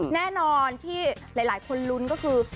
แน่นอนที่หลายคนลุ้นก็คือ